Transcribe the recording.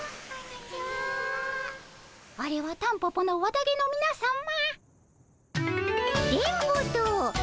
あれはタンポポの綿毛のみなさま。